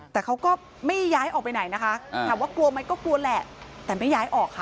แต่เขาก็ไม่ย้ายออกไปไหนนะคะถามว่ากลัวไหมก็กลัวแหละแต่ไม่ย้ายออกค่ะ